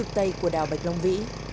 đó là nơi đầy của đảo bạch long vĩ